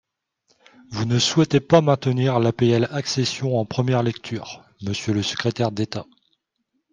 Vous ne souhaitez pas maintenir l’APL accession en première lecture, monsieur le secrétaire d’État.